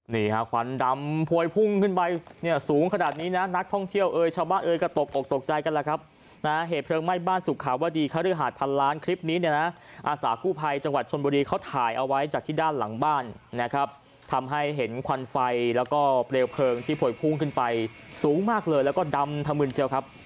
นี่ฮะควันดำพวยพุ่งขึ้นไปเนี่ยสูงขนาดนี้นะนักท่องเที่ยวเอ่ยชาวบ้านเอ่ยก็ตกอกตกใจกันแล้วครับนะฮะเหตุเพลิงไหม้บ้านสุขาวดีคฤหาสพันล้านคลิปนี้เนี่ยนะอาสากู้ภัยจังหวัดชนบุรีเขาถ่ายเอาไว้จากที่ด้านหลังบ้านนะครับทำให้เห็นควันไฟแล้วก็เปลวเพลิงที่พวยพุ่งขึ้นไปสูงมากเลยแล้วก็ดำธมืนเชียวครับ